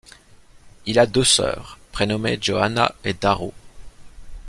Il a deux sœurs, prénommées Johanna et Darrow.